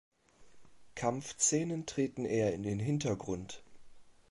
Kampfszenen treten eher in den Hintergrund.